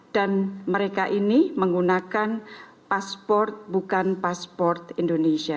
dan mereka ini menggunakan pasport bukan pasport indonesia